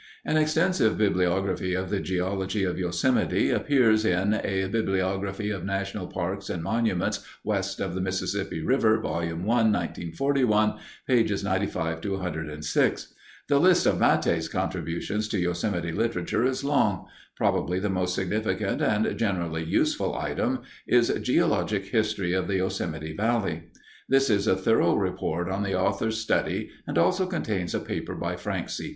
An extensive bibliography of the geology of Yosemite appears in A Bibliography of National Parks and Monuments West of the Mississippi River, Vol. I, 1941, pp. 95 106. The list of Matthes' contributions to Yosemite literature is long. Probably the most significant and generally useful item is Geologic History of the Yosemite Valley. This is a thorough report on the author's study and also contains a paper by Frank C.